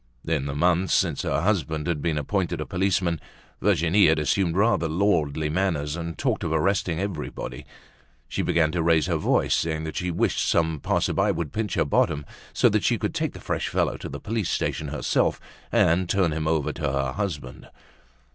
In the month since her husband had been appointed a policeman, Virginie had assumed rather lordly manners and talked of arresting everybody. She began to raise her voice, saying that she wished some passer by would pinch her bottom so that she could take the fresh fellow to the police station herself and turn him over to her husband.